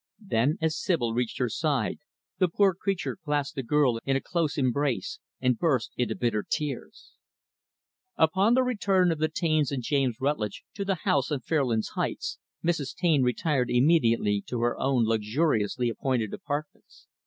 Then, as Sibyl reached her side, the poor creature clasped the girl in a close embrace, and burst into bitter tears. Upon the return of the Taines and James Rutlidge to the house on Fairlands Heights, Mrs. Taine retired immediately to her own luxuriously appointed apartments.